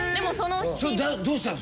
どうしたの？